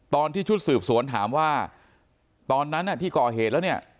ตอนที่ชุดสืบสวนถามว่าตอนนั้นที่ก่อเหตุแล้วเนี่ย